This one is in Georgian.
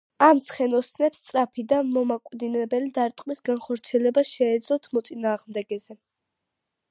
ამ ცხენოსნებს სწრაფი და მომაკვდინებელი დარტყმის განხორციელება შეეძლოთ მოწინააღმდეგეზე.